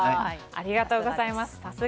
ありがとうございます。